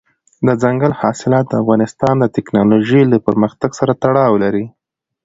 دځنګل حاصلات د افغانستان د تکنالوژۍ له پرمختګ سره تړاو لري.